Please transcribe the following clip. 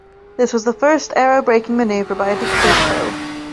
This was the first aerobraking maneuver by a deep space probe.